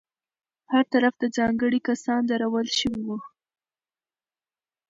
هر طرف ته ځانګړي کسان درول شوي وو.